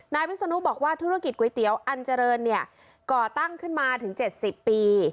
วิศนุบอกว่าธุรกิจก๋วยเตี๋ยวอันเจริญเนี่ยก่อตั้งขึ้นมาถึง๗๐ปี